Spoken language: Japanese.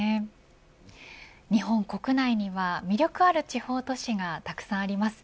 日本国内には、魅力がある地方都市がたくさんあります。